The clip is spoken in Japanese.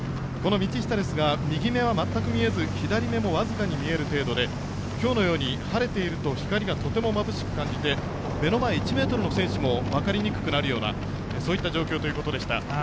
この道下ですが、右目は全く見えず左目も僅かに見える程度で、今日のように晴れていると光がとてもまぶしく感じて、目の前１ｍの選手も分かりづらくなるようなそういった状況ということでした。